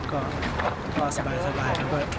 ก็ปลอดสบาย